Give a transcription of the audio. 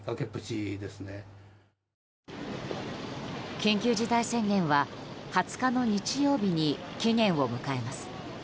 緊急事態宣言は２０日の日曜日に期限を迎えます。